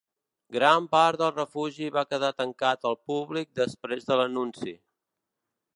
Gran part del refugi va quedar tancat al públic després de l'anunci.